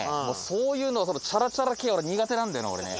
そういうのチャラチャラ系苦手なんだよね